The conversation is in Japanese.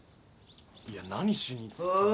いや何しにっつっても。